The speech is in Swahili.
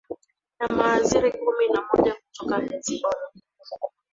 ya mawaziri kumi na moja kutoka helzbolla